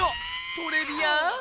トレビアン！